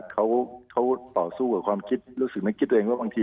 เขาต่อสู้กับความคิดฝึกสึกคิดตัวเอง